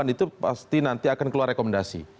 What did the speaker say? dua puluh delapan itu pasti nanti akan keluar rekomendasi